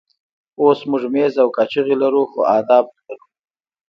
اوس موږ مېز او کاچوغې لرو خو آداب نه لرو.